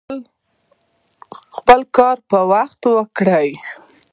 خپل کار په وخت وکړئ